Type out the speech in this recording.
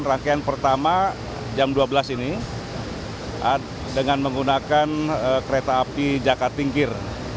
rangkaian pertama jam dua belas ini dengan menggunakan kereta api jakat tingkir